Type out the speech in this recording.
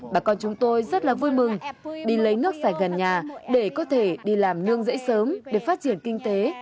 bà con chúng tôi rất là vui mừng đi lấy nước sạch gần nhà để có thể đi làm nương rẫy sớm để phát triển kinh tế